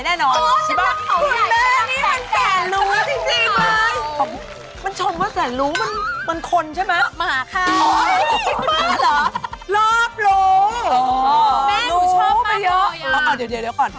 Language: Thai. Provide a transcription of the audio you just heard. อ๋อแม่หนูชอบมากกว่าอย่างนั้นอ๋อเดี๋ยวก่อน